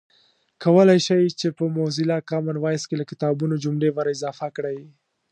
کولای شئ چې په موزیلا کامن وایس کې له کتابونو جملې ور اضافه کړئ